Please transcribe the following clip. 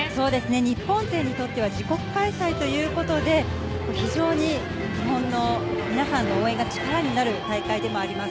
日本勢にとっては自国開催ということで非常に日本の皆さんの応援が力になる大会でもあります。